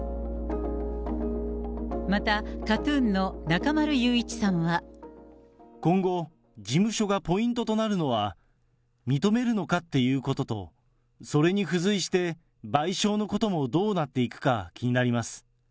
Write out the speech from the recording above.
また、今後、事務所がポイントとなるのは、認めるのかっていうことと、それに付随して、賠償のこともどうなっていくか気になります。